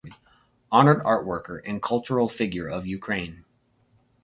Honored Art Worker and Cultural Figure of Ukraine.